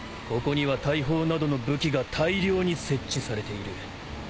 ここには大砲などの武器が大量に設置されている。